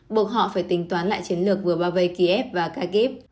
buộc họ phải tính toán lại chiến lược vừa bao vây kiev và cagev